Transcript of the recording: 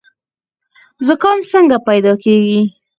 زکام څنګه پیدا کیږي؟